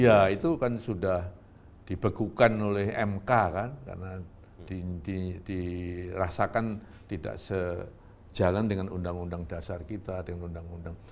ya itu kan sudah dibekukan oleh mk kan karena dirasakan tidak sejalan dengan undang undang dasar kita dengan undang undang